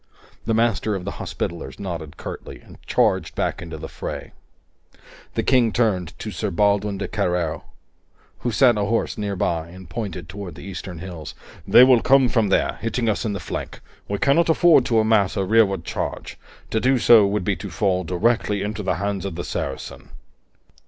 The Master of the Hospitallers nodded curtly and charged back into the fray. The King turned to Sir Baldwin de Carreo, who sat ahorse nearby, and pointed toward the eastern hills. "They will come from there, hitting us in the flank; we cannot afford to amass a rearward charge. To do so would be to fall directly into the hands of the Saracen."